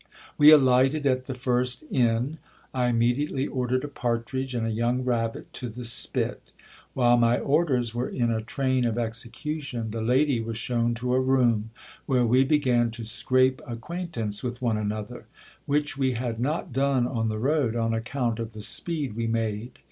We alighted at the first inn. I immediately ordered a partridge and a young rabbit to the spit. While my orders were in a train of execution, the lady was shown to a room, where we began to scrape acquaintance with one another ; which we had not done on the road, on account of the speed we made.